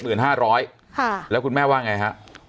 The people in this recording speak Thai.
๑๗๕๐๐๐๐บาทแล้วคุณแม่ว่าไงครับ